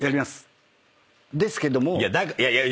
ですけども。